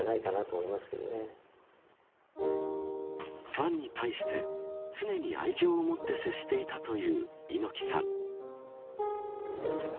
ファンに対して常に愛情を持って接していたという猪木さん。